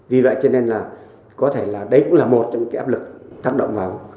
vì vậy cho nên là có thể là đấy cũng là một trong những cái áp lực tác động vào